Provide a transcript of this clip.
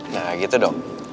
nah gitu dong